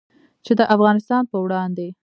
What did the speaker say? چې د افغانستان په وړاندې